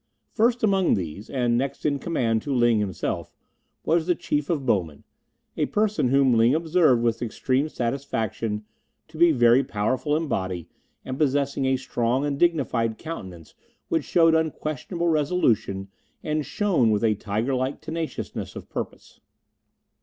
First among these, and next in command to Ling himself, was the Chief of Bowmen, a person whom Ling observed with extreme satisfaction to be very powerful in body and possessing a strong and dignified countenance which showed unquestionable resolution and shone with a tiger like tenaciousness of purpose.